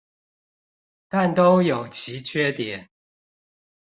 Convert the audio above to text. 但都有其缺點